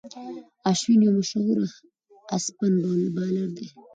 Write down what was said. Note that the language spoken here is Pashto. اشوين یو مشهور اسپن بالر دئ.